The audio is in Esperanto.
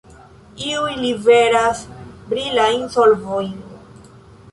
Iuj liveras brilajn solvojn.